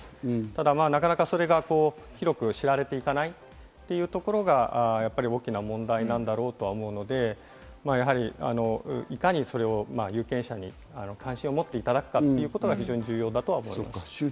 ただまぁ、なかなかそれが広く知られていかないというところが大きな問題なんだろうとは思うので、いかにそれを有権者に関心を持っていただくかということが非常に重要だとは思います。